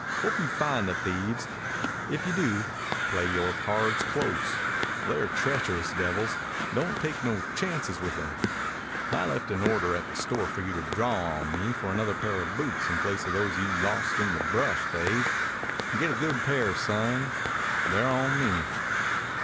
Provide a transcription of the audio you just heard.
Hope you find the thieves. If you do, play yore cards close. They're treacherous devils. Don't take no chances with 'em. I left an order at the store for you to draw on me for another pair of boots in place of those you lost in the brush, Dave. Get a good pair, son. They're on me.